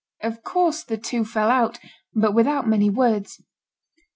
Of course the two fell out, but without many words.